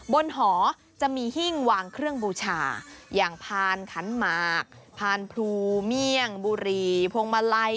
หอจะมีหิ้งวางเครื่องบูชาอย่างพานขันหมากพานพรูเมี่ยงบุรีพวงมาลัย